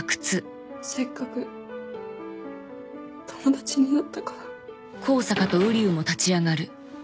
せっかく友達になったから。